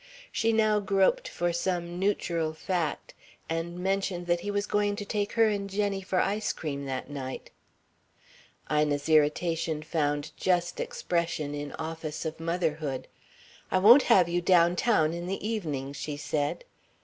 She now groped for some neutral fact, and mentioned that he was going to take her and Jenny for ice cream that night. Ina's irritation found just expression in office of motherhood. "I won't have you downtown in the evening," she said.